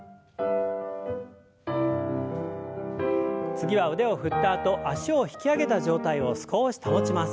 次は腕を振ったあと脚を引き上げた状態を少し保ちます。